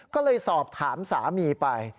ก็เลยสอบถามสามีไป